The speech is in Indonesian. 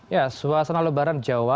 ya suasana lebaran jawa